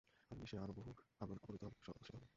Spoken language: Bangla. ফলে নিশ্চয়ই আরও বহু আবরণ অপসৃত হবে।